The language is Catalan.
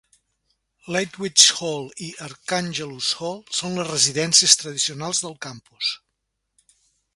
Ledwidge Hall i Archangelus Hall són les residències tradicionals del campus.